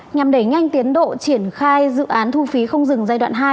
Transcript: nhằm đẩy nhanh tiến độ triển khai dự án thu phí không dừng giai đoạn hai